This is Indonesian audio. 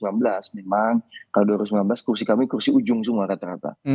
memang kalau dua ribu sembilan belas kursi kami kursi ujung semua rata rata